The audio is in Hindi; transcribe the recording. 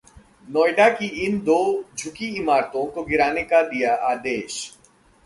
नोएडा की इन दो झुकी इमारतों को गिराने का दिया आदेश